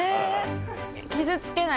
傷つけない